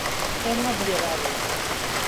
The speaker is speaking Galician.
É unha obviedade.